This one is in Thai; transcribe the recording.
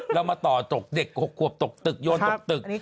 เรามาต่อตกเด็ก๖ขวบตกตึกโยนตกตึก